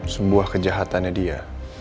sebuah kejahatannya dia